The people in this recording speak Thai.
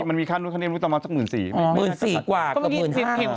มันมีค่านุ่นขนาดลูกตำลังสักหมื่นสี่หมื่นสี่กว่ากับหมื่นห้า